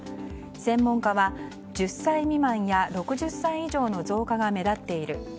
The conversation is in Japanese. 専門家は、１０歳未満や６０歳以上の増加が目立っている。